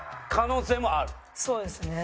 そうですね。